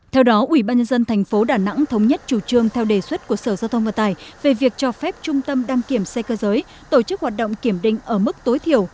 theo đó ủy ban nhân dân tp đà nẵng thống nhất chủ trương theo đề xuất của sở giao thông vật tài về việc cho phép trung tâm đăng kiểm xe cơ giới tổ chức hoạt động kiểm định ở mức tối thiểu